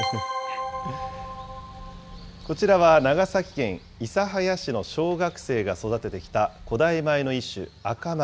こちらは長崎県諫早市の小学生が育ててきた古代米の一種、赤米。